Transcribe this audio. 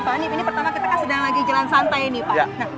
pak hanif ini pertama kita kan sedang lagi jalan santai nih pak